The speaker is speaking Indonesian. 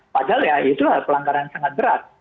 padahal ya itu pelanggaran sangat berat